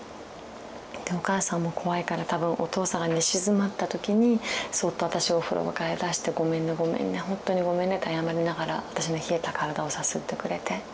でお母さんも怖いから多分お父さんが寝静まった時にそっと私をお風呂場から出して「ごめんねごめんねほんとにごめんね」って謝りながら私の冷えた体をさすってくれて。